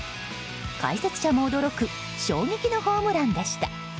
解説者も驚く衝撃のホームランでした。